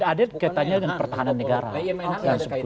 ada kaitannya dengan pertahanan negara